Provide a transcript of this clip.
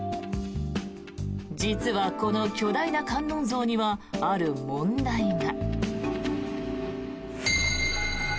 実はこの巨大な観音像にはある問題が。